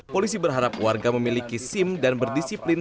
polisi berharap warga memiliki sim dan berdisiplin